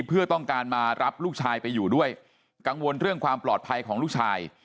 เพื่อต้องการมารับลูกชายไปอยู่ด้วยกังวลเรื่องความปลอดภัยของลูกชาย